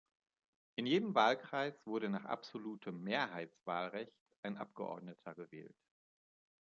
In jedem Wahlkreis wurde nach absolutem Mehrheitswahlrecht ein Abgeordneter gewählt.